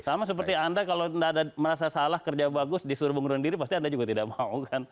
sama seperti anda kalau tidak ada merasa salah kerja bagus disuruh mengurung diri pasti anda juga tidak mau kan